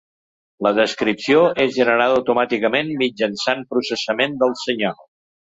La descripció és generada automàticament mitjançant processament del senyal.